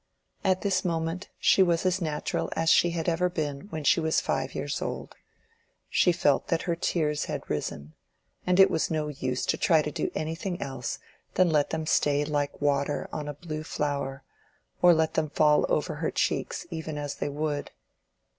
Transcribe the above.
At this moment she was as natural as she had ever been when she was five years old: she felt that her tears had risen, and it was no use to try to do anything else than let them stay like water on a blue flower or let them fall over her cheeks, even as they would.